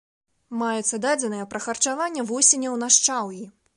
Маюцца дадзеныя пра харчаванне вусеняў на шчаўі.